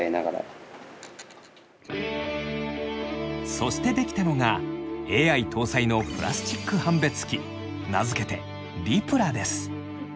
そしてできたのがＡＩ搭載のプラスチック判別機名付けて「りぷら」です。